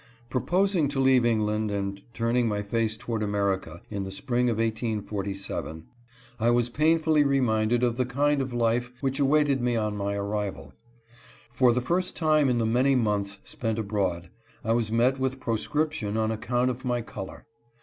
Proposing to leave England and turning my face toward America in the spring of 1847, I was painfully reminded of the kind of life which awaited me on my arrival. For the first time in the many months spent abroad I was met with proscription on account of my color.